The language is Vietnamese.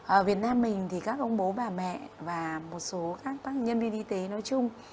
ở việt nam mình thì các ông bố bà mẹ và một số các nhân viên y tế nói chung